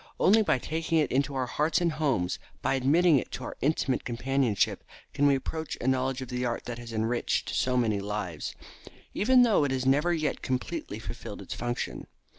Only by taking it into our hearts and homes, by admitting it to our intimate companionship, can we approach a knowledge of the art that has enriched so many lives, even though it has never yet completely fulfilled its function.